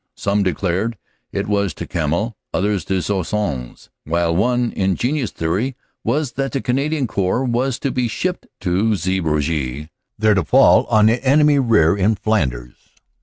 Some declared it was to Kemmel, others to Sois sons; while one ingenious theory was that the Canadian Corps was to be shipped to Zeebrugge there to fall on the enemy rear in Flanders.